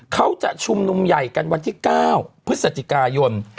เขาจะชุมนุมใหญ่กันวันที่๙พฤศจิกายน